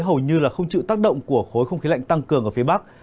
hầu như là không chịu tác động của khối không khí lạnh tăng cường ở phía bắc